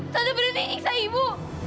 tanda berhenti niksa ibu